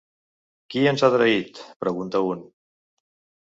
Qui ens ha traït?, pregunta un.